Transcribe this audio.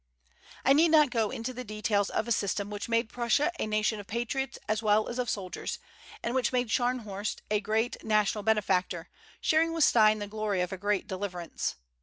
I need not go into the details of a system which made Prussia a nation of patriots as well as of soldiers, and which made Scharnhorst a great national benefactor, sharing with Stein the glory of a great deliverance.